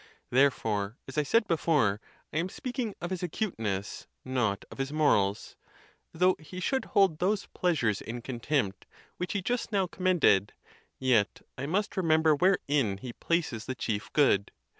Therefore, as I said before, I am speaking of his acuteness, not of his morals. Though he should hold those pleasures i in contempt which he just now commended, yet I must remember wherein he places the chief good.